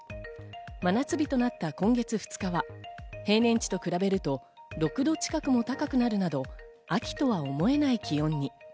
真夏日となった今月２日は、平年値と比べると６度近くも高くなるなど、秋とは思えない気温に。